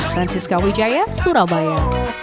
francisca wijaya surabaya